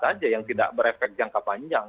saja yang tidak berefek jangka panjang